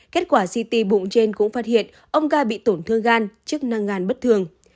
kết quả ct bụng trên cũng phát hiện ông ca bị tổn thương gan chức năng gan bất thường